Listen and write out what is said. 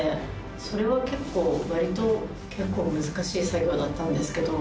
それは結構割と難しい作業だったんですけど。